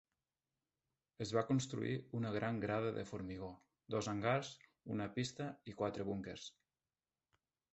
Es va construir una gran grada de formigó, dos hangars, una pista i quatre búnquers.